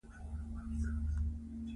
چې په مټو کې زور لري